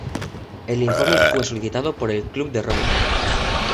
El informe fue solicitado por el Club de Roma.